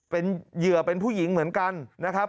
เป็นเหยื่อเป็นผู้หญิงเหมือนกันนะครับ